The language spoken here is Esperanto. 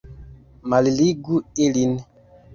Malligu ilin!